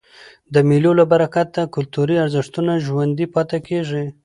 د مېلو له برکته کلتوري ارزښتونه ژوندي پاته کېږي.